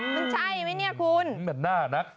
มันใช่ไหมเนี่ยคุณมันเหมือนหน้านัก